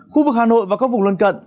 khu vực hà nội và các vùng lân cận